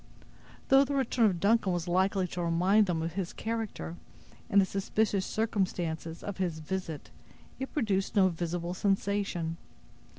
Though the return of Duncan was likely to remind them of his character, and the suspicious circumstances of his visit, it produced no visible sensation.